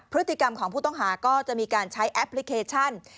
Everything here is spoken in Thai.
พฤติกรรมของผู้ต้องหาก็จะมีการใช้แอปพลิเคชัน